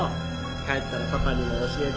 帰ったらパパにも教えてね。